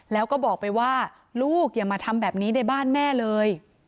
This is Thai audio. แล้วก็บอกไปว่าลูกอย่ามาทำแบบนี้ในบ้านแม่เลย